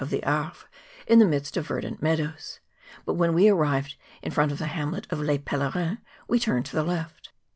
17 of the Arve, in the midst of verdant meadows. But when we were arrived in front of the hamlet of Les PMerins, we turned to the left.